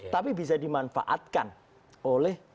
tapi bisa dimanfaatkan oleh